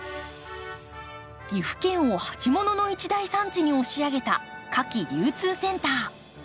岐阜県を鉢物の一大産地に押し上げた花き流通センター。